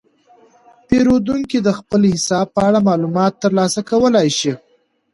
پیرودونکي د خپل حساب په اړه معلومات ترلاسه کولی شي.